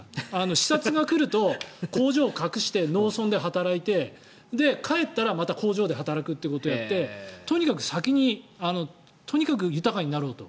視察が来ると工場を隠して、農村で働いて帰ったら、また工場で働くということをやってとにかく先にとにかく豊かになろうと。